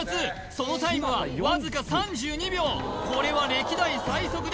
そのタイムはわずか３２秒これは歴代最速です